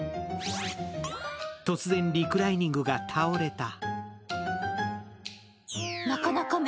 突然リクライニングが倒れた。